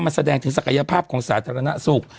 มันแสดงถึงศักยภาพของสาธารณสุข